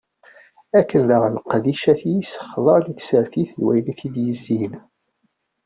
Akken daɣen, leqdicat-is, xḍan i tsertit d wayen i tt-id-yezzin.